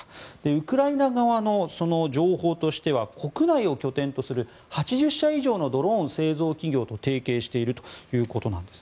ウクライナ側の情報としては国内を拠点とする８０社以上のドローン製造企業と提携しているということです。